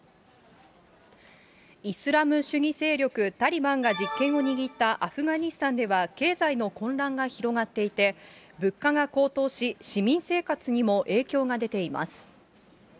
イスラム主義勢力タリバンが実権を握ったアフガニスタンでは、経済の混乱が広がっていて、物価が高騰し、市民生活にも影響が出ています。